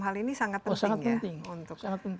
hal ini sangat penting ya untuk